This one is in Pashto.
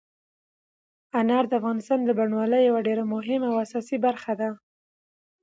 انار د افغانستان د بڼوالۍ یوه ډېره مهمه او اساسي برخه ده.